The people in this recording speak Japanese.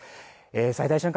最大瞬間